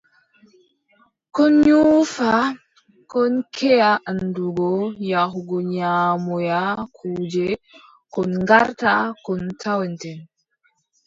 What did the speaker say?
Kon nyuufa, kon keʼa anndugo yahugo nyaamoya kuuje, kon ngarta, kon tawten.